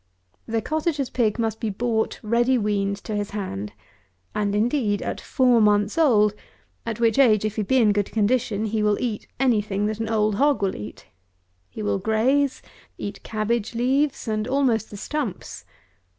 The cottager's pig must be bought ready weaned to his hand, and, indeed, at four months old, at which age, if he be in good condition, he will eat any thing that an old hog will eat. He will graze, eat cabbage leaves, and almost the stumps.